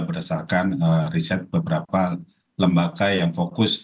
berdasarkan riset beberapa lembaga yang fokus